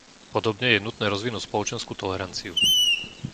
Podobne je nutné rozvinúť spoločenskú toleranciu.